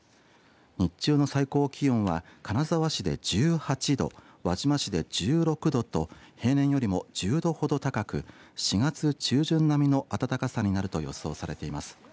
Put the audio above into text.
日中の最高気温は金沢市で１８度輪島市で１６度と平年よりも１０度ほど高く４月中旬並みの暖かさになると予想されています。